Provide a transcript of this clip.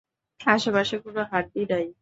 আশেপাশে কোন হাড্ডি নাই।